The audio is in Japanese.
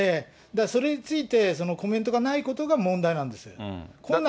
それについて、そのコメントがないことが問題なんです。